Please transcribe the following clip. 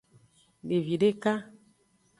Devi deka.